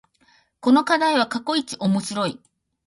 この課題は過去一面白い